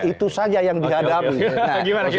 itu saja yang dihadapi